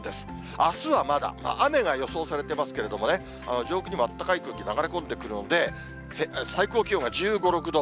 あすはまだ、雨が予想されていますけれどもね、上空にもあったかい空気、流れ込んでくるので、最高気温が１５、６度。